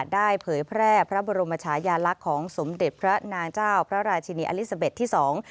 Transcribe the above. เผยแพร่พระบรมชายาลักษณ์ของสมเด็จพระนางเจ้าพระราชินีอลิซาเบ็ดที่สอง